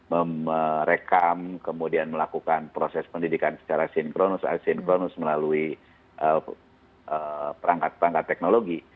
merekam kemudian melakukan proses pendidikan secara sinkronus atau sinkronus melalui perangkat perangkat teknologi